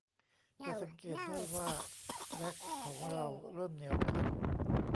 จะสังเกตได้ว่าแว็กซ์ของเราเริ่มเหนียวขึ้น